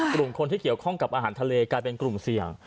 กลุ่มคนที่เกี่ยวข้องกับอาหารทะเลกลายเป็นกลุ่มเสี่ยง